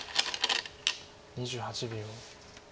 ２８秒。